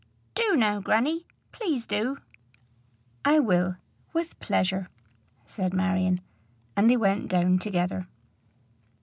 "Do now, grannie; please do." "I will, with pleasure," said Marion; and they went down together.